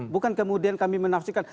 bukan kemudian kami menafsirkan